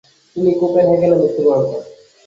তিনি কোপেনহেগেনে মৃত্যুবরণ করেন।